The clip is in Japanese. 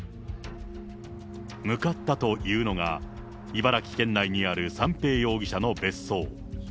向かったというのが、茨城県内にある三瓶容疑者の別荘。